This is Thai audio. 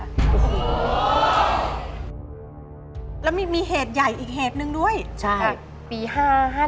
เอิ้นแล้วมีเหตุใหญ่อีกเหตุหนึ่งด้วยใช่ไหมครับ